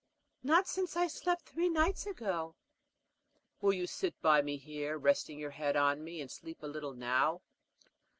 "Not since I slept three nights ago." "Will you sit by me here, resting your head on me, and sleep a little now?"